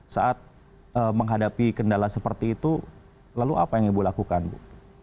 saat menghadapi kendala seperti itu lalu apa yang ibu lakukan bu